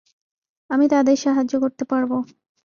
আমি তাদের সাহায্য করতে পারব।